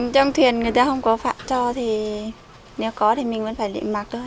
trong thuyền người ta không có phạm cho thì nếu có thì mình vẫn phải mặc